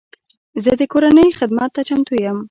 زه د کورنۍ خدمت ته چمتو یم.